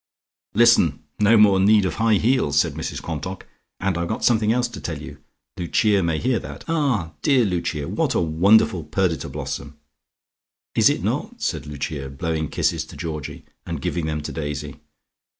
"Listen! No more need of high heels!" said Mrs Quantock. "And I've got something else to tell you. Lucia may hear that. Ah, dear Lucia, what a wonderful Perdita blossom!" "Is it not?" said Lucia, blowing kisses to Georgie, and giving them to Daisy.